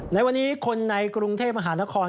ในวันนี้คนในกรุงเทพมหานคร